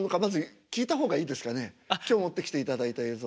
今日持ってきていただいた映像。